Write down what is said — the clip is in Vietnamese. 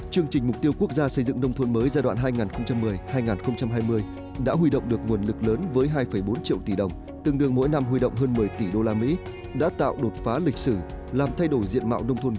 chương trình mục tiêu quốc gia xây dựng nông thôn mới giai đoạn hai nghìn một mươi hai nghìn hai mươi đã huy động được nguồn lực lớn với hai bốn triệu tỷ đồng tương đương mỗi năm huy động hơn một mươi tỷ usd đã tạo đột phá lịch sử làm thay đổi diện mạo nông thôn